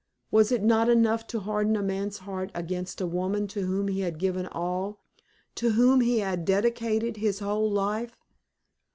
Was it not enough to harden a man's heart against a woman to whom he had given all, to whom he had dedicated his whole life?